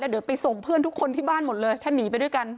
เดี๋ยวไปส่งเพื่อนทุกคนที่บ้านหมดเลยถ้าหนีไปด้วยกัน